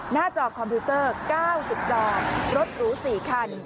จอคอมพิวเตอร์๙๐จอรถหรู๔คัน